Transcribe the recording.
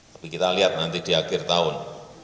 tapi kita lihat nanti di akhir tahun